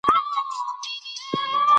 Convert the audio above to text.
اسونه باید په اصطبل کي وساتل شي.